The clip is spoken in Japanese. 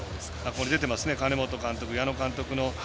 今、出てますけど金本監督、矢野監督の。